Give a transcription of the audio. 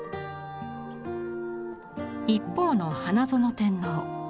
一方の花園天皇。